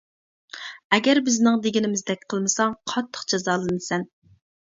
ئەگەر بىزنىڭ دېگىنىمىزدەك قىلمىساڭ قاتتىق جازالىنىسەن.